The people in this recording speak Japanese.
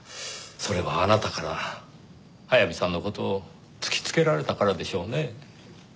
それはあなたから早見さんの事を突きつけられたからでしょうねぇ。